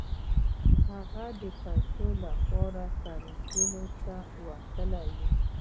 هغه د پيسو لپاره سړکونو ته وتلی و.